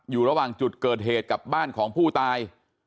อยู่ระหว่างจุดเกิดเหตุกับบ้านของผู้ตาย